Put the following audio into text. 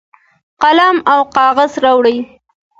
قلم او کاغذ راوړي.